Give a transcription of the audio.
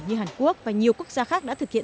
như hàn quốc và nhiều quốc gia khác đã thực hiện